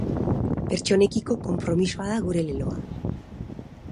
Pertsonekiko konpromisoa da gure leloa.